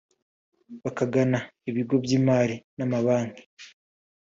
bakagana ibigo by’imari n’amabanki